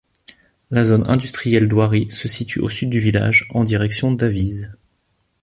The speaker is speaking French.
La zone industrielle d'Oiry se situe au sud du village, en direction d'Avize.